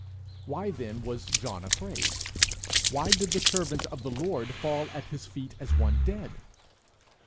Why then was John afraid? why did the servant of the Lord fall at his feet as one dead?